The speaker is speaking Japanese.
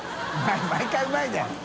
毎回「うまい」だよ